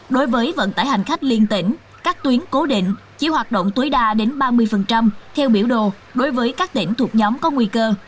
đối với vận tải hành khách liên tỉnh các tuyến cố định chỉ hoạt động tối đa đến ba mươi theo biểu đồ đối với các tỉnh thuộc nhóm có nguy cơ